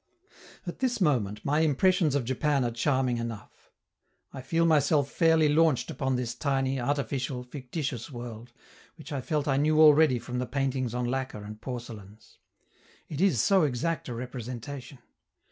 At this moment, my impressions of Japan are charming enough; I feel myself fairly launched upon this tiny, artificial, fictitious world, which I felt I knew already from the paintings on lacquer and porcelains. It is so exact a representation!